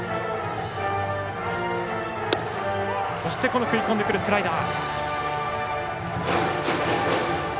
そして食い込んでくるスライダー。